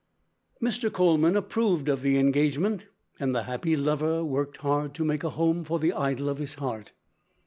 Mr. Coleman approved of the engagement, and the happy lover worked hard to make a home for the idol of his heart.